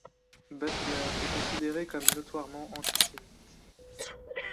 Butler est considéré comme notoirement antisémite.